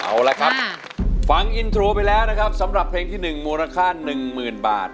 เอาละครับฟังอินโทรไปแล้วนะครับสำหรับเพลงที่หนึ่งมูลค่าหนึ่งหมื่นบาท